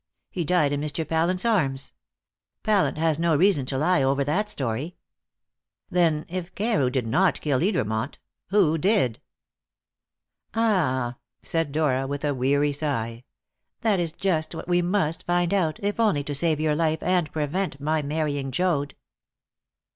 He died in Mr. Pallant's arms. Pallant has no reason to lie over that story." "Then, if Carew did not kill Edermont, who did?" "Ah," said Dora with a weary sigh, "that is just what we must find out, if only to save your life and prevent my marrying Joad."